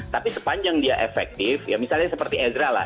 tapi sepanjang dia efektif ya misalnya seperti ezra lah